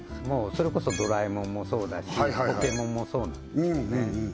それこそドラえもんもそうだしポケモンもそうなんですよね